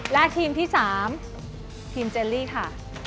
และทีมที่๓ทีมเจลลี่ค่ะ